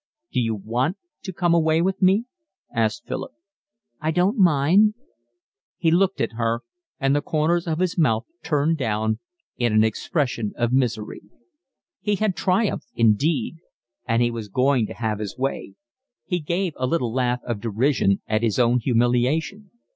"D'you WANT to come away with me?" asked Philip. "I don't mind." He looked at her, and the corners of his mouth turned down in an expression of misery. He had triumphed indeed, and he was going to have his way. He gave a little laugh of derision at his own humiliation.